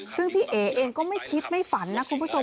ซึ่งพี่เอ๋เองก็ไม่คิดไม่ฝันนะคุณผู้ชม